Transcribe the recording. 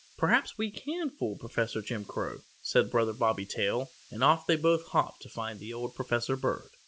"Perhaps we can fool Professor Jim Crow," said Brother Bobby Tail, and off they both hopped to find the old professor bird.